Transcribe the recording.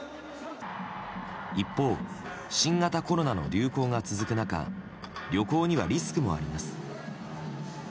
一方、新型コロナの流行が続く中旅行にはリスクがあります。